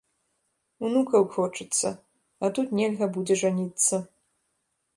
Унукаў хочацца, а тут нельга будзе жаніцца.